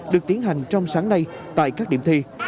được tiến hành trong sáng nay tại các điểm thi